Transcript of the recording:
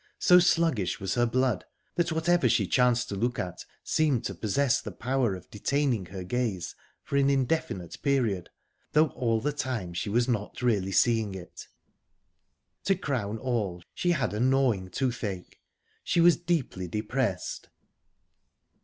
So sluggish was her blood that whatever she chanced to look at seemed to possess the power of detaining her gaze for an indefinite period, though all the time she was not really seeing it. To crown all, she had a gnawing toothache. She was deeply depressed.